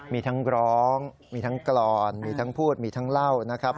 มีทั้งร้องมีทั้งกรอนมีทั้งพูดมีทั้งเล่านะครับ